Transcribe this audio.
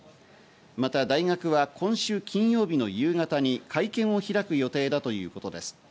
また大学は今週金曜日の夕方に会見を開く予定だということです。